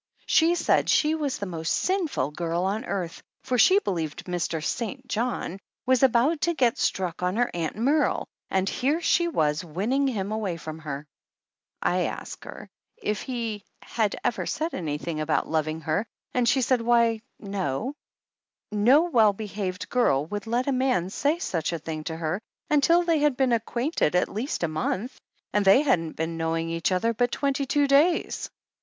She said she was the most sinful girl on earth, for she believed Mr. St. John was about to get struck on her Aunt Merle, and here she was winning him away from her ! I asked her if he had ever said anything about loving her and she said why, no ; no well behaved girl would let a man say such a thing to her until they had been acquainted at least a month, and they hadn't been knowing each 169 THE ANNALS OF ANN other but twenty two days.